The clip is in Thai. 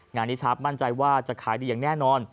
งานนี้ชาร์ฟมั่นใจว่าจะขายดีอย่างแน่นอน